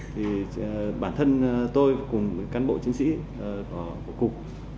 thì bản thân tôi cùng cán bộ chiến sĩ của cục